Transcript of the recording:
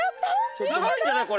すごいんじゃない？